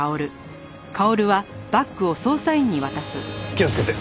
気をつけて。